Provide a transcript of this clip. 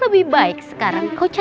biar tau rasa